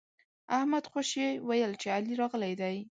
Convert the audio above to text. احمد خوشي ويل چې علي راغلی دی.